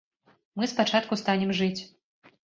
Мы спачатку станем жыць.